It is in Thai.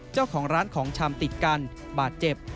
เจ้าของร้านของชำติดกันบาดเจ็บ